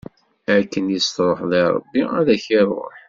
Akken i s-tṛuḥeḍ i Ṛebbi, ad ak-iṛuḥ.